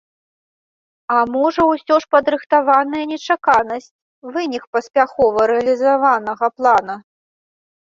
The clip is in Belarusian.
А можа, усё ж падрыхтаваная нечаканасць, вынік паспяхова рэалізаванага плана?